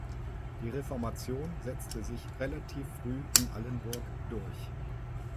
Die Reformation setzte sich relativ früh in Allenburg durch.